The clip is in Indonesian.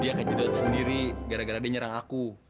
dia kejodot sendiri gara gara dia nyerang aku